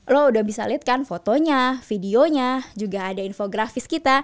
lo udah bisa lihat kan fotonya videonya juga ada infografis kita